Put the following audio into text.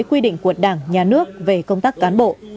quy định của đảng nhà nước về công tác cán bộ